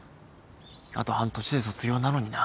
あと半年で卒業なのにな。